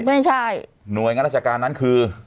ไม่ใช่หน่วยงานราชการนั้นคือ